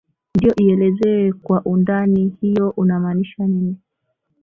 ndio ielezee kwa undani hiyounamaanisha nini